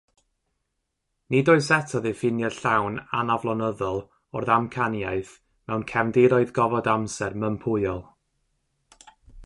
Nid oes eto ddiffiniad llawn anaflonyddol o'r ddamcaniaeth mewn cefndiroedd gofod-amser mympwyol.